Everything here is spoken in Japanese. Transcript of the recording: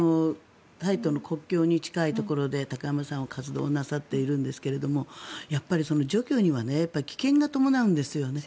タイとの国境に近いところで高山さんは活動なさっているんですがやっぱり除去には危険が伴うんですよね。